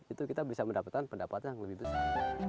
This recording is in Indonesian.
itu kita bisa mendapatkan pendapat yang lebih besar